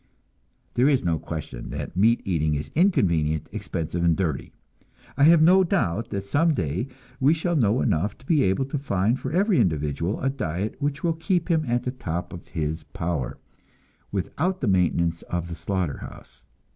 There is no question that meat eating is inconvenient, expensive, and dirty. I have no doubt that some day we shall know enough to be able to find for every individual a diet which will keep him at the top of his power, without the maintenance of the slaughter house.